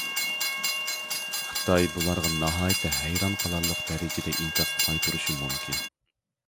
خىتاي بۇلارغا ناھايىتى ھەيران قالارلىق دەرىجىدە ئىنكاس قايتۇرۇشى مۇمكىن.